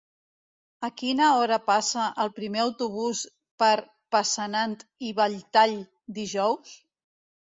A quina hora passa el primer autobús per Passanant i Belltall dijous?